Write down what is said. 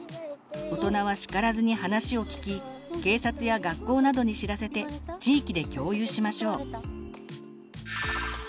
大人は叱らずに話を聞き警察や学校などに知らせて地域で共有しましょう。